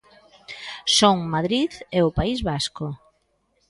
Son Madrid e o País Vasco.